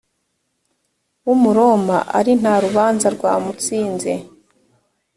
w umuroma ari nta rubanza rwamutsinze